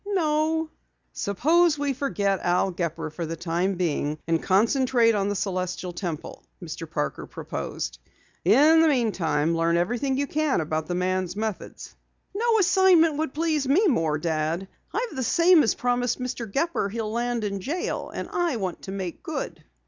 "No." "Suppose we forget Al Gepper for the time being, and concentrate on the Celestial Temple," Mr. Parker proposed. "In the meantime, learn everything you can about the man's methods." "No assignment would please me more, Dad. I've the same as promised Mr. Gepper he'll land in jail, and I want to make good."